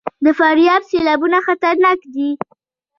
د فاریاب سیلابونه خطرناک دي